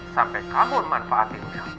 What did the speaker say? sampai kamu memanfaatinya